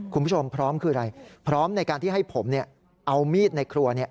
คุณผู้ชมพร้อมคืออะไรพร้อมในการที่ให้ผมเอามีดในครัวเนี่ย